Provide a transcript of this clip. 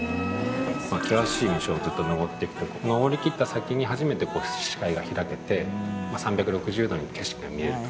険しい道をずっと登っていくと登りきった先に初めて視界が開けて３６０度に景色が見えると。